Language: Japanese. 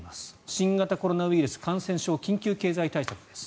新型コロナウイルス感染症緊急経済対策です。